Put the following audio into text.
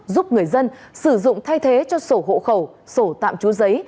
giúp người dân sử dụng thay thế cho sổ hộ khẩu sổ tạm chúa giấy